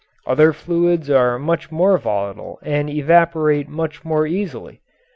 Other fluids are much more volatile and evaporate much more easily.